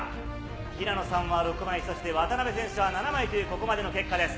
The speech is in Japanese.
平野さんは６枚、そして渡辺選手は７枚というここまでの結果です。